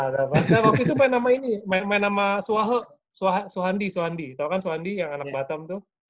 nah waktu itu main sama ini main sama suwaho suhandi tau kan suhandi yang anak batam tuh